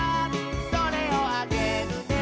「それをあげるね」